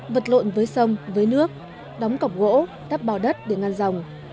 vật lộn với sông với nước đóng cọc gỗ thắp bào đất để ngăn rồng